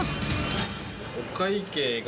お会計が。